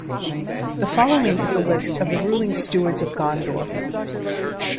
The following is a list of the Ruling Stewards of Gondor.